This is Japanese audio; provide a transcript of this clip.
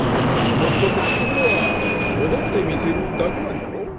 発足式では踊ってみせるだけなんじゃろう？